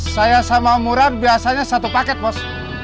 saya sama murad biasanya satu paket bos